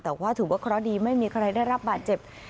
แต่ว่าถือว่าเคราะห์ดีไม่มีใครได้รับบาดเจ็บ